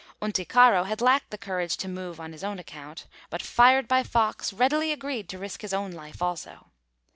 Unticaro had lacked the courage to move on his own account, but fired by Fox, readily agreed to risk his own life also.